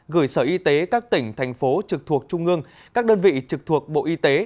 gửi sở y tế các tỉnh thành phố trực thuộc trung ương các đơn vị trực thuộc bộ y tế